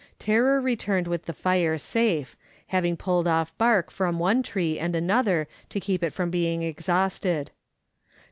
Tarrer returned with the fire safe, having pulled off bark from one tree and another to keep it from being exhausted.